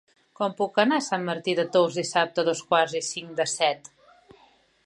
Com puc anar a Sant Martí de Tous dissabte a dos quarts i cinc de set?